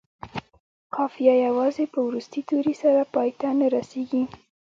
قافیه یوازې په وروستي توري سره پای ته نه رسيږي.